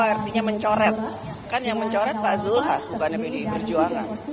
artinya mencoret kan yang mencoret pak zulhas bukan yang berjuang